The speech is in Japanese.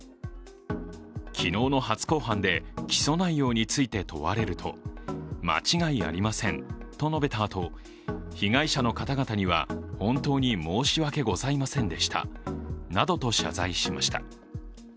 昨日の初公判で起訴内容について問われると、間違いありませんと述べたあと被害者の方々には本当に申し訳ございませんでしたなどと謝罪しました。